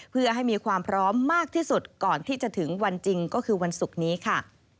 เพื่อให้มีความพร้อมมากที่สุดก่อนที่จะถึงวันจริงก็คือวันศุกร์นี้ค่ะ